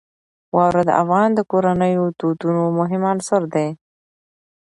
واوره د افغان کورنیو د دودونو مهم عنصر دی.